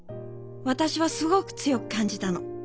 私はすごく強く感じたの。